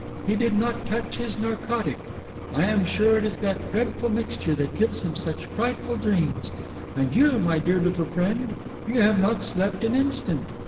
He did not touch his narcotic. I am sure it is that dreadful mixture that gives him such frightful dreams. And you, my dear little friend, you have not slept an instant.